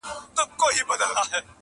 سپی دي څنکه ښخوی د مړو خواته-